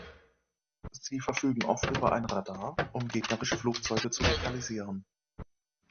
Sie verfügen oft über ein Radar, um gegnerische Flugzeuge zu lokalisieren.